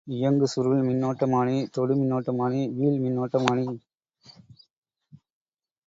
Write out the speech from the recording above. இயங்குசுருள் மின்னோட்டமானி, தொடு மின்னோட்ட மானி, வீழ் மின்னோட்டமானி.